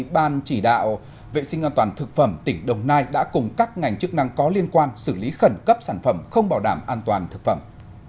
ban chỉ đạo vệ sinh an toàn thực phẩm tỉnh đồng nai đã cùng các ngành chức năng có liên quan xử lý khẩn cấp sản phẩm không bảo đảm an toàn thực phẩm